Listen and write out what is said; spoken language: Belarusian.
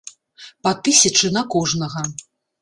Па тысячы на кожнага.